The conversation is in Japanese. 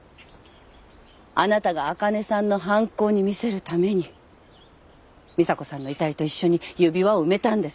あなたがあかねさんの犯行に見せるために美砂子さんの遺体と一緒に指輪を埋めたんです。